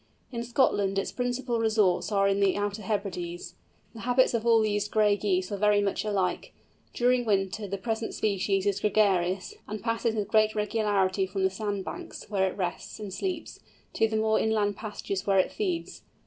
In Scotland its principal resorts are in the Outer Hebrides. The habits of all these "Gray" Geese are very much alike. During winter the present species is gregarious, and passes with great regularity from the sand banks, where it rests and sleeps, to the more inland pastures where it feeds.